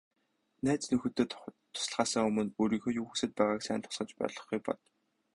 Найз нөхдөдөө туслахаасаа өмнө өөрийнхөө юу хүсээд байгааг сайн тусгаж ойлгохыг бод.